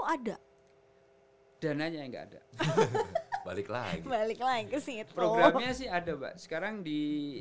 ada dananya enggak ada balik lagi balik lagi ke sini programnya sih ada mbak sekarang di